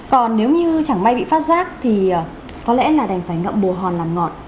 còn nếu như chẳng may bị phát giác thì có lẽ là đành phải ngậm bù hòn làm ngọt